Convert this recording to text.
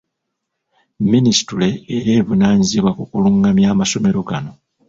Minisitule era evunaanyizibwa ku kulungamya amasomero gano.